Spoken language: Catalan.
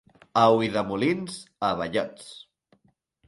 A Ulldemolins, abellots.